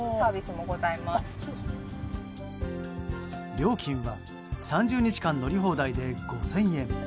料金は、３０日間乗り放題で５０００円。